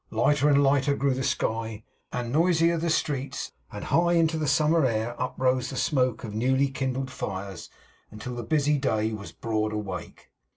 Lighter and lighter grew the sky, and noisier the streets; and high into the summer air uprose the smoke of newly kindled fires, until the busy day was broad awake.